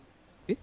え？